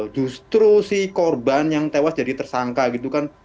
justru si korban yang tewas jadi tersangka gitu kan